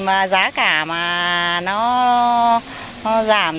mà giá cả mà nó giảm